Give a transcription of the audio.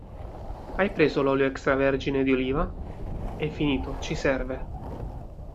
Hai preso l'olio extravergine di oliva? È finito, ci serve!